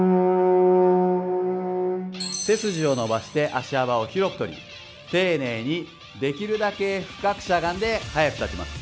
背筋を伸ばして足幅を広くとり丁寧にできるだけ深くしゃがんで速く立ちます。